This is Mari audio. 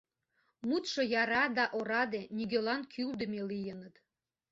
Мутшо яра да ораде, нигӧлан кӱлдымӧ лийыныт.